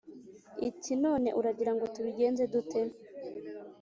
iti: “none uragira ngo tubigenze dute?”